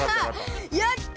やった！